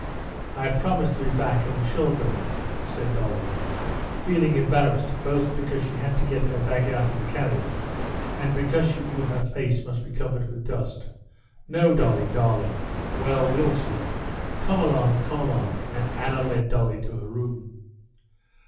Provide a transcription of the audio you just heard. "I promised to be back, and the children...." said Dolly, feeling embarrassed both because she had to get her bag out of the carriage, and because she knew her face must be covered with dust. "No, Dolly, darling!... Well, we'll see. Come along, come along!" and Anna led Dolly to her room.